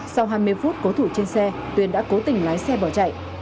sau hai mươi phút cố thủ trên xe tuyền đã cố tình lái xe bỏ chạy